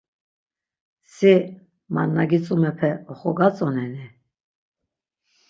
Si man na gitzumerpe oxogatzoneni?